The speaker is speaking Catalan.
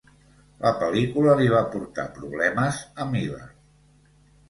La pel·lícula li va portar problemes a Miller.